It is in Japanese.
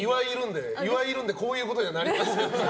岩井いるんでこういうことにはなりかねない。